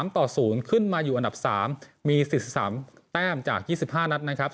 ต่อ๐ขึ้นมาอยู่อันดับ๓มี๑๓แต้มจาก๒๕นัดนะครับ